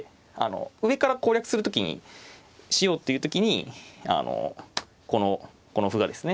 上から攻略する時にしようっていう時にこの歩がですね